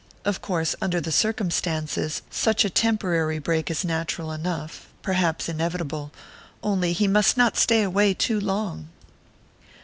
Of course, under the circumstances, such a temporary break is natural enough perhaps inevitable only he must not stay away too long."